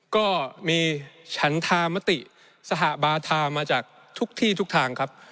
ก็มีฉันธามติสหบาทามาจากทุกที่ทุกทางครับ